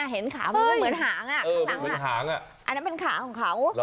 เห็นขามันเหมือนหางข้างหลังอันนั้นเป็นขาของเขา